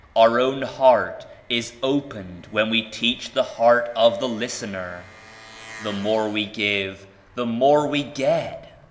Our own heart is opened when we teach the heart of the listener. The more we give the,' more we get.